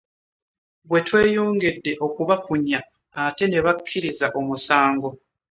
Bwe tweyongedde okubakunya ate ne bakkiriza omusango.